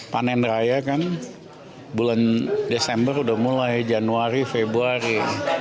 panen raya kan bulan desember udah mulai januari februari